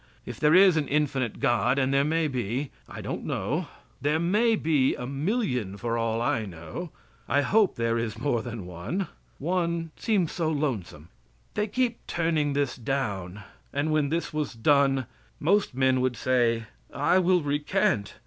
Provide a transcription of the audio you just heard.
If there is an infinite God, and there may be I don't know there may be a million for all I know I hope there is more than one one seems so lonesome. They kept turning this down, and when this was done, most men would say: "I will recant."